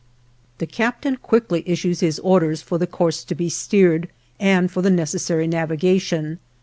The captain quickly issues his orders for the course to be steered and for the necessary navigation.